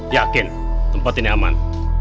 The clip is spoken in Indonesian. yakin tempat ini aman